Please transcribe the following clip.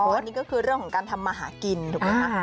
อันนี้ก็คือเรื่องของการทำมาหากินถูกไหมคะ